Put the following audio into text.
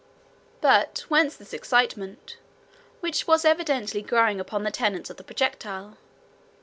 But whence this excitement, which was evidently growing upon the tenants of the projectile?